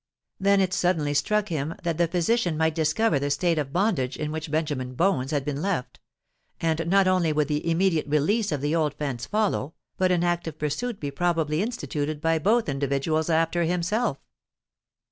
Then it suddenly struck him that the physician might discover the state of bondage in which Benjamin Bones had been left; and not only would the immediate release of the old fence follow, but an active pursuit be probably instituted by both individuals after himself.